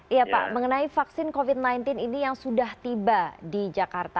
iya pak mengenai vaksin covid sembilan belas ini yang sudah tiba di jakarta